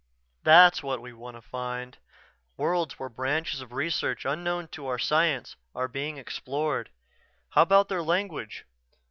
"That's what we want to find worlds where branches of research unknown to our science are being explored. How about their language?"